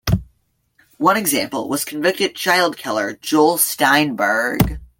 One example was convicted child-killer Joel Steinberg.